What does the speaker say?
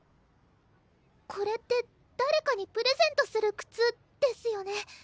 これって誰かにプレゼントする靴ですよね？